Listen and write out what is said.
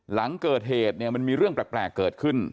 หลังเกิดเหตุเนี่ยมันมีเรื่องแปลกเกิดขึ้น